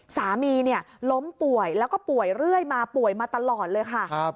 สามีล้มป่วยแล้วก็ป่วยเรื่อยมาป่วยมาตลอดเลยค่ะ